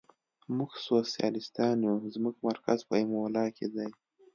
موږ سوسیالیستان یو، زموږ مرکز په ایمولا کې دی.